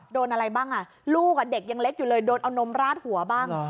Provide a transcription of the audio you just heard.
โดนอะไรบ้างอ่ะลูกเด็กยังเล็กอยู่เลยโดนเอานมราดหัวบ้าง